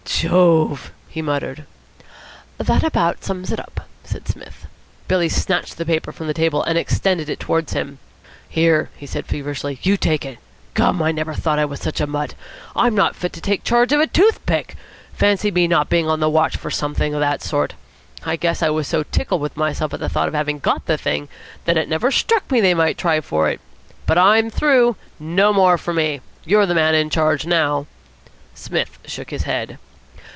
"Jove!" he muttered. "That about sums it up," said Psmith. Billy snatched the paper from the table and extended it towards him. "Here," he said feverishly, "you take it. Gum, I never thought I was such a mutt! I'm not fit to take charge of a toothpick. Fancy me not being on the watch for something of that sort. I guess I was so tickled with myself at the thought of having got the thing, that it never struck me they might try for it. But I'm through. No more for me. You're the man in charge now." Psmith shook his head.